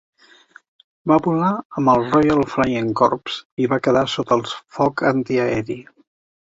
Va volar amb el Royal Flying Corps i va quedar sota el foc antiaeri.